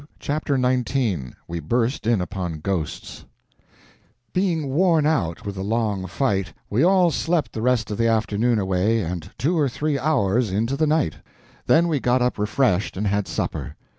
Chapter 19 We Burst In Upon Ghosts BEING WORN out with the long fight, we all slept the rest of the afternoon away and two or three hours into the night. Then we got up refreshed, and had supper.